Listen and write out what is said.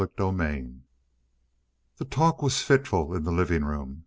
CHAPTER 14 The talk was fitful in the living room.